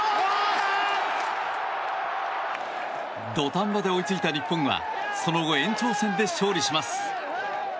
土壇場で追いついた日本はその後、延長戦で勝利します。